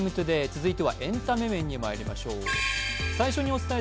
続いてはエンタメ面にまいりましょう。